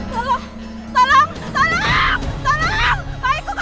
sedangkan aku sudah mulai ak